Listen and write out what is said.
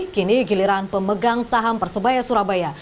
kini giliran pemegang saham persebaya surabaya